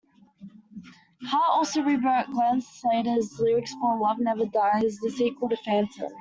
Hart also re-wrote Glenn Slater's lyrics for "Love Never Dies", the sequel to "Phantom".